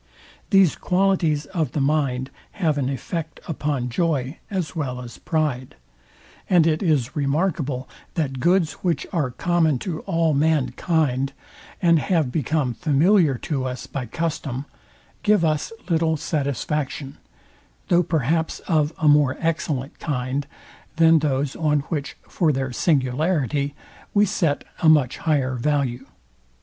These qualities of the mind have an effect upon joy as well as pride; and it is remarkable, that goods which are common to all mankind, and have become familiar to us by custom, give us little satisfaction; though perhaps of a more excellent kind, than those on which, for their singularity, we set a much higher value.